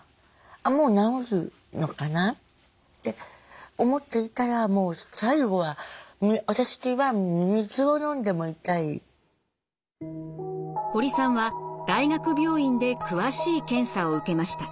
もう治るのかなって思っていたらもう最後は私は堀さんは大学病院で詳しい検査を受けました。